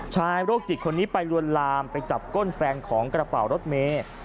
โรคจิตคนนี้ไปลวนลามไปจับก้นแฟนของกระเป๋ารถเมย์